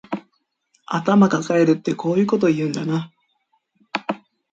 頭かかえるってこういうこと言うんだな